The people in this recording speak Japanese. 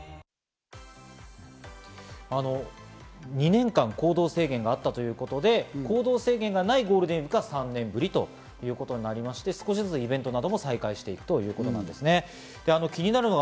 ２年間、行動制限があったということで、行動制限がないゴールデンウイークは３年ぶりということになりまして、少しずつイベントなども再開していくということですね。